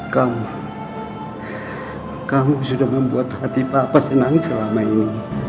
kamu sudah membuat hati papa senang selama ini